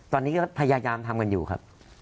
ตอนนี้ก็พยายามทำกันอยู่ครับ